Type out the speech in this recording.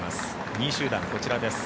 ２位集団、こちらです。